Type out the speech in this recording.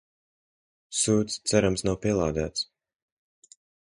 Sūds, cerams nav pielādēts.